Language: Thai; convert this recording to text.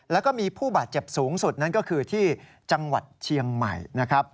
แล้วก็มีผู้บาดเจ็บสูงสุดนั่นก็คือที่จังหวัดเชียงใหม่นะครับ